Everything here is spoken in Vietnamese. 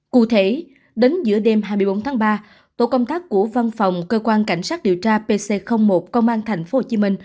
cụ thể đến giữa đêm hai mươi bốn tháng ba tổ công tác của văn phòng cơ quan cảnh sát điều tra pc một công an tp hcm